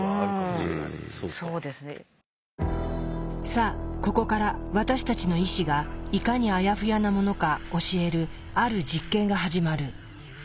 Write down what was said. さあここから私たちの意志がいかにあやふやなものか教えるある実験が始まる。